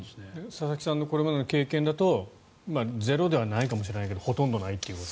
佐々木さんのこれまでの経験だとゼロではないかもしれないけどほとんどないと。